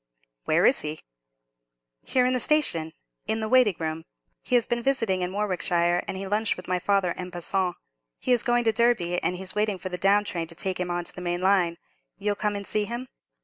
"Where is he?" "Here, in the station—in the waiting room. He has been visiting in Warwickshire, and he lunched with my father en passant; he is going to Derby, and he's waiting for the down train to take him on to the main line. You'll come and see him?"